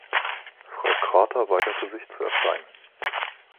Fr. Crater weigerte sich, zu erscheinen.